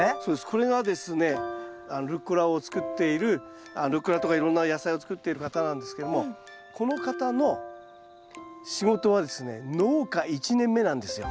これがですねルッコラを作っているルッコラとかいろんな野菜を作っている方なんですけどもこの方の仕事はですね農家１年目なんですよ。